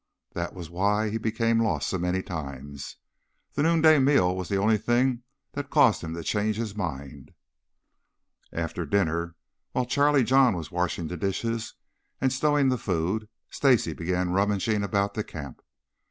That was why he became lost so many times. The noonday meal was the only thing that caused him to change his mind. After dinner, while Charlie John was washing the dishes and stowing the food, Stacy began rummaging about the camp.